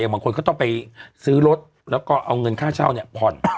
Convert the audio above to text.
อย่างบางคนเขาต้องไปซื้อรถแล้วก็เอาเงินค่าเช่าเนี่ยพ่อน